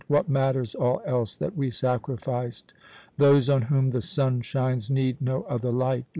What matters all else that we sacrificed? Those on whom the sun shines need no other light.